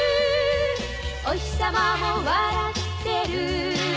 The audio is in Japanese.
「おひさまも笑ってる」